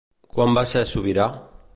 Quan va ser sobirà?